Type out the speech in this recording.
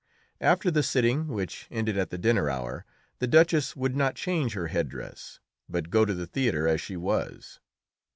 After the sitting, which ended at the dinner hour, the Duchess would not change her head dress, but go to the theatre as she was.